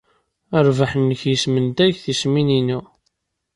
Rrbeḥ-nnek yesmendag tismin-inu.